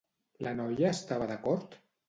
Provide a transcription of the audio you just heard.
La noia estava d'acord?